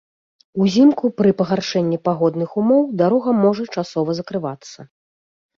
Узімку пры пагаршэнні пагодных умоў дарога можа часова закрывацца.